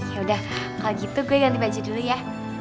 ya udah kalau gitu gue ganti baju dulu ya